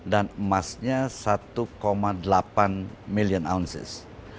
dan emasnya satu delapan miliar ounces